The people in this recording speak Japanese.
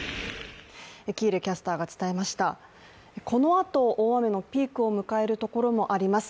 このあと大雨のピークを迎えるところもあります。